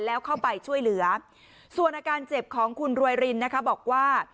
แล้วเข้าไปช่วยเหลือส่วนอาการเจ็บของคุณรวยรินนะคะบอกว่า